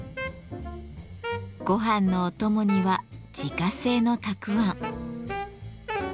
ごはんのお供には自家製のたくあん。